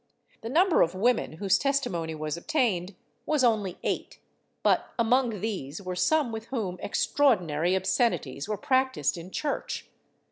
The number of women whose testi mony was obtained was only eight, but among these were some with whom extraordinary obscenities were practised in church.